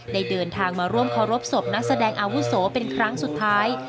เดินทางมาร่วมเคารพศพนักแสดงอาวุโสเป็นครั้งสุดท้าย